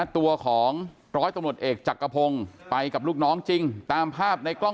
ตัวของร้อยตำรวจเอกจักรพงศ์ไปกับลูกน้องจริงตามภาพในกล้อง